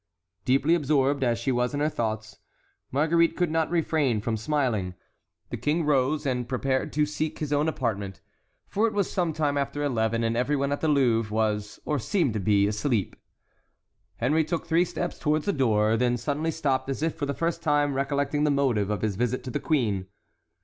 Deeply absorbed as she was in her thoughts, Marguerite could not refrain from smiling. The king rose and prepared to seek his own apartment, for it was some time after eleven, and every one at the Louvre was, or seemed to be, asleep. Henry took three steps toward the door, then suddenly stopped as if for the first time recollecting the motive of his visit to the queen.